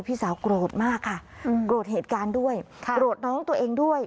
พี่สาวโกรธมากค่ะโกรธเหตุการณ์ด้วยโกรธน้องตัวเองด้วย